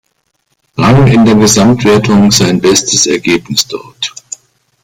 Rang in der Gesamtwertung sein bestes Ergebnis dort.